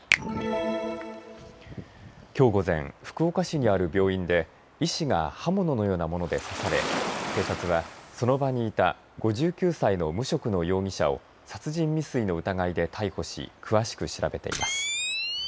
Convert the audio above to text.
きょう午前、福岡市にある病院で医師が刃物のようなもので刺され警察はその場にいた５９歳の無職の容疑者を殺人未遂の疑いで逮捕し詳しく調べています。